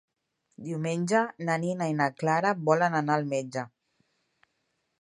Diumenge na Nina i na Clara volen anar al metge.